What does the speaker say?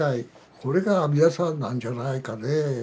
これが阿弥陀さんなんじゃないかねえ。